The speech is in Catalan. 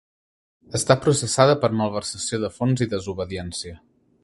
Està processada per malversació de fons i desobediència.